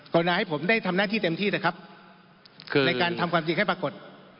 รณาให้ผมได้ทำหน้าที่เต็มที่นะครับในการทำความจริงให้ปรากฏ